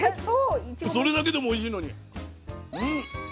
それだけでもおいしいのに。